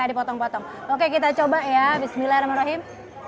dipotong potong oke kita coba ya bismillahirrahmanirrahim